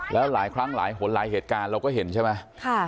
แล้วหลายครั้งหลายหนหลายเหตุการณ์เราก็เห็นใช่ไหม